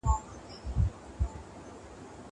زه به د خپلو موخو په ترلاسه کولو ډېر خوشحاله سم.